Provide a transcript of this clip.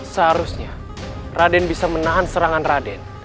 seharusnya raden bisa menahan serangan raden